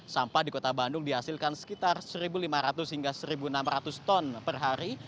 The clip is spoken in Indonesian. sampah di kota bandung dihasilkan sekitar satu lima ratus hingga satu enam ratus ton per hari